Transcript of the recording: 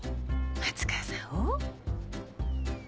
松川さんを？